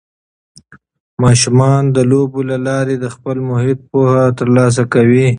ماشومان د لوبو له لارې د خپل محیط پوهه ترلاسه کوي.